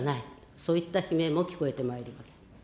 そういった悲鳴も聞こえてまいります。